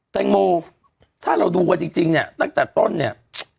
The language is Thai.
แตงโมถ้าเราดูกันจริงเนี่ยตั้งแต่ต้นเนี่ย